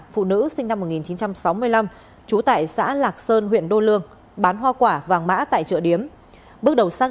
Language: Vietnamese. phụ nữ sinh năm một nghìn chín trăm sáu mươi năm trú tại xã lạc sơn huyện đô lương bán hoa quả vàng mã tại chợ điếm bước đầu xác